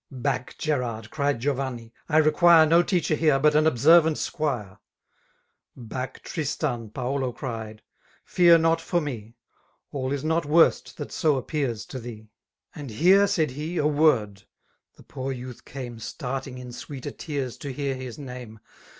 \ y *^ Back> Gerard/' cried Giovannrj T require No teacher here^ but an observant squire.*' '' Back, Tristan," Paulo cried; *' fear not for mte^ ^VAllisnot worst that 80 app^rs to thee. «^ 97 '' Aadh0re/' si^d he; " a w€»dL" The poinr youth Starting in sweeter tears to hear his name.